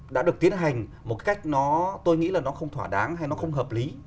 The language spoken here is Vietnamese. đã được tiến hành một cách nó tôi nghĩ là nó không thỏa đáng hay nó không hợp lý